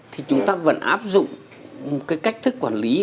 thì chúng ta vẫn áp dụng cái cách thức quản lý